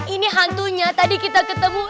ini hantunya tadi kita ketemu